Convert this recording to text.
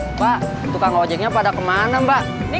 mbak tukang ojeknya pada kemana mbak nih